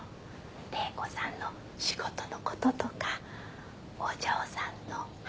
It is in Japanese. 玲子さんの仕事の事とかお嬢さんの話。